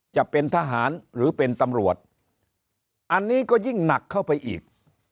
จะเป็นทหารหรือเป็นตำรวจอันนี้ก็ยิ่งหนักเข้าไปอีก